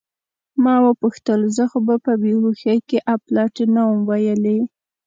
ما وپوښتل: زه خو به په بې هوښۍ کې اپلتې نه وم ویلي؟